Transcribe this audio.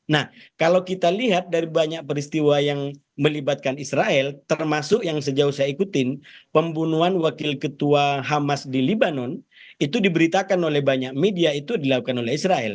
nah kalau kita lihat dari banyak peristiwa yang melibatkan israel termasuk yang sejauh saya ikutin pembunuhan wakil ketua hamas di libanon itu diberitakan oleh banyak media itu dilakukan oleh israel